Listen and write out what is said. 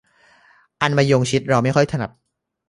อันมะยงชิดเราไม่ค่อยถนัด